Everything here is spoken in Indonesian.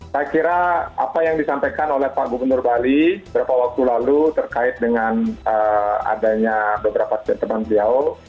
saya kira apa yang disampaikan oleh pak gubernur bali beberapa waktu lalu terkait dengan adanya beberapa teman priaul